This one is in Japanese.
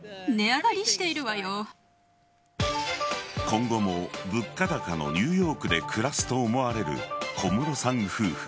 今後も物価高のニューヨークで暮らすと思われる小室さん夫婦。